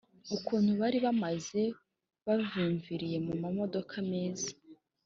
ukuntu bari bameze, bavimviriye mu mamodoka meza